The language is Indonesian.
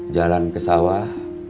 jalan ke sawah